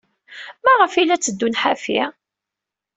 Maɣef ay la tteddun ḥafi?